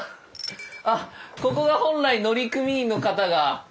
あっここが本来乗組員の方が利用されてた。